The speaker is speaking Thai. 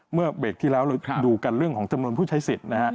เมื่อเบรกที่แล้วเราดูกันเรื่องของจำนวนผู้ใช้สิทธิ์นะฮะ